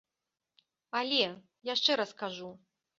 Але, яшчэ раз кажу.